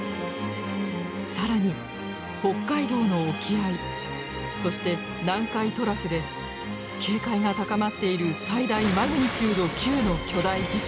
更に北海道の沖合そして南海トラフで警戒が高まっている最大マグニチュード９の巨大地震。